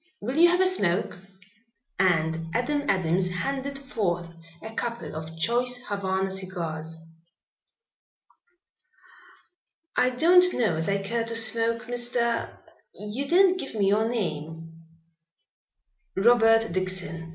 Will you have a smoke?" and Adam Adams handed forth a couple of choice Havana cigars. "I don't know as I care to smoke, Mr. You didn't give me your name." "Robert Dixon.